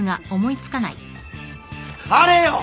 あれよ！